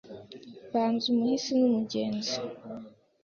Mbaza umuhisi n'umugenzi